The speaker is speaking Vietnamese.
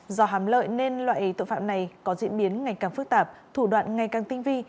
do hám lợi nên loại tội phạm này có diễn biến ngày càng phức tạp thủ đoạn ngày càng tinh vi